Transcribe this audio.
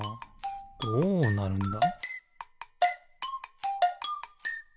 どうなるんだ？